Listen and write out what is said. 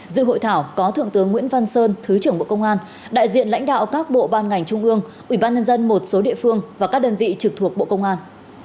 dự hội thảo có thượng tướng nguyễn văn sơn thứ trưởng bộ công an đại diện lãnh đạo các bộ ban ngành trung ương ủy ban nhân dân một số địa phương và các đơn vị trực thuộc bộ công an